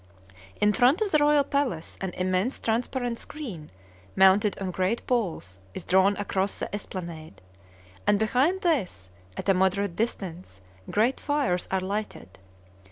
In front of the royal palace an immense transparent screen, mounted on great poles, is drawn across the esplanade, and behind this, at a moderate distance, great fires are lighted.